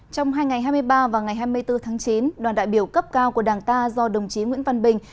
trong hai ngày hai mươi ba và ngày hai mươi bốn tháng chín đoàn đại biểu cấp cao của đảng ta do đồng chí nguyễn văn bình